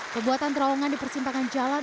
pembuatan terowongan di persimpangan jalan